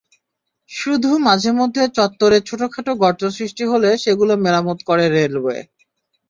শুধু মাঝেমধ্যে চত্বরে ছোটখাটো গর্ত সৃষ্টি হলে সেগুলো মেরামত করে রেলওয়ে।